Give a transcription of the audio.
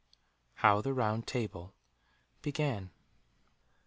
HOW THE ROUND TABLE BEGAN.